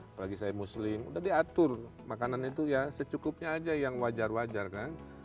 apalagi saya muslim udah diatur makanan itu ya secukupnya aja yang wajar wajar kan